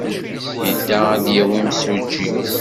Yedda ad d-yawi imsujji.